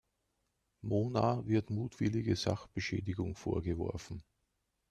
Mona wird mutwillige Sachbeschädigung vorgeworfen.